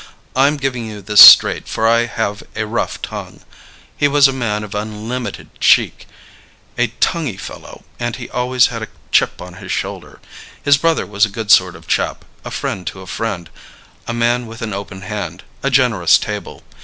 I'm giving you this straight, for I have a rough tongue. He was a man of unlimited cheek, a tonguey fellow, and he always had a chip on his shoulder. His brother was a good sort of chap, a friend to a friend, a man with an open hand, a generous table.